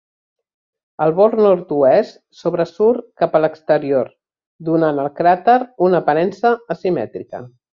El bord nord-oest sobresurt cap a l'exterior, donant al cràter una aparença asimètrica.